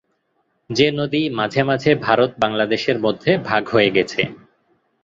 যে নদী মাঝে মাঝে ভারত বাংলাদেশের মধ্যে ভাগ হয়ে গেছে।